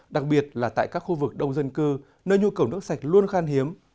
đặc biệt là tại các khu vực đông dân cư nơi nhu cầu nước sạch luôn khan hiếm